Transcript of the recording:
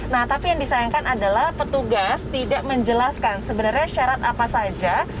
nah tapi yang disayangkan adalah petugas tidak menjelaskan sebenarnya syarat apa saja